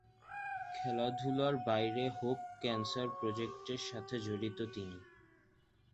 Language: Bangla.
খেলাধূলার বাইরে হোপ ক্যান্সার প্রজেক্টের সাথে জড়িত তিনি।